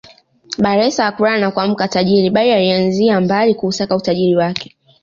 Bakhresa hakulala na kuamka tajiri bali alianzia mbali kuusaka utajiri wake